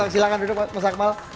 silahkan duduk mas akmal